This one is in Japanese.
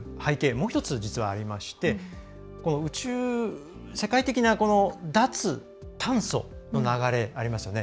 もう１つ、実はありまして世界的な脱炭素の流れありますよね。